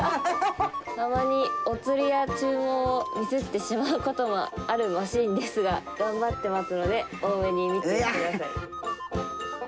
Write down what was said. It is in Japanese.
たまにお釣りや注文をミスってしまうこともあるマシーンですが、頑張ってますので、大目に見てください。